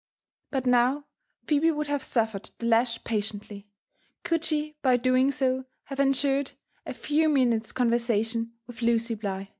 But now Phebe would have suffered the lash patiently, could she by doing so have ensured a few minutes con versation with Lucy Bligh.